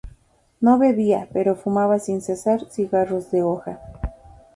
No bebía, pero fumaba sin cesar cigarros de hoja.